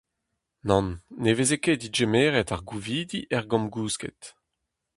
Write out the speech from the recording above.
Nann, ne veze ket degemeret ar gouvidi er gambr-gousket.